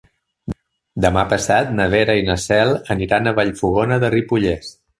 Demà passat na Vera i na Cel aniran a Vallfogona de Ripollès.